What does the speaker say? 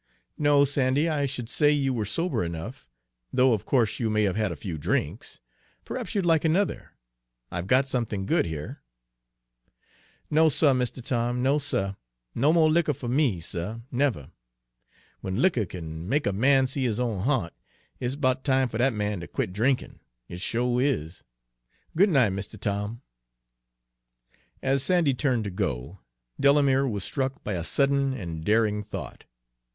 "No, Sandy, I should say you were sober enough, though of course you may have had a few drinks. Perhaps you'd like another? I've got something good here." "No, suh, Mistuh Tom, no, suh! No mo' liquor fer me, suh, never! When liquor kin make a man see his own ha'nt, it's 'bout time fer dat man ter quit drinkin', it sho' is! Good night, Mistuh Tom." As Sandy turned to go, Delamere was struck by a sudden and daring thought.